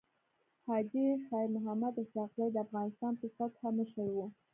حاجي خير محمد اسحق زی د افغانستان په سطحه مشر وو.